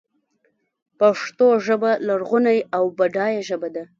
پښتو ژبه لرغونۍ او بډایه ژبه ده.